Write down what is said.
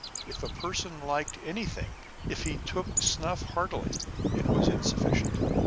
If a person liked anything, if he took snuff heartily, it was sufficient.